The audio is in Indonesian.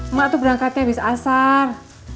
emak tuh berangkatnya habis asar